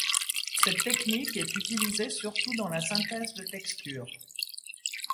Cette technique est utilisée surtout dans la synthèse de texture.